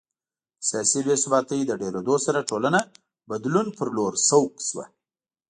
د سیاسي بې ثباتۍ له ډېرېدو سره ټولنه بدلون په لور سوق شوه